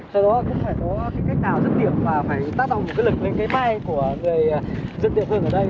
sau đó cũng phải có cái cách nào rất tiện và phải tác động một cái lực lên cái vai của người dẫn tiện thường ở đây